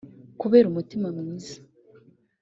Kubera umutima mwiza